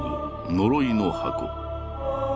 「呪いの箱」。